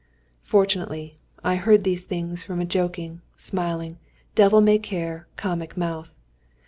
] Fortunately, I heard these things from a joking, smiling, devil may care, comic mouth!